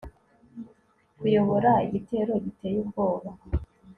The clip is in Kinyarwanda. Kuyobora igitero giteye ubwoba